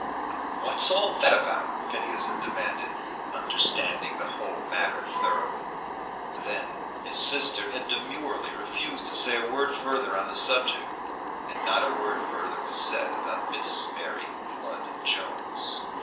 "What's all that about?" Phineas had demanded, understanding the whole matter thoroughly. Then his sister had demurely refused to say a word further on the subject, and not a word further was said about Miss Mary Flood Jones.